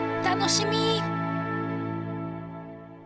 楽しみ。